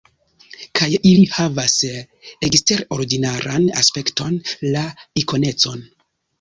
Kaj ili havas eksterordinaran aspekton: la ikonecon.